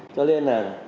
cho nên là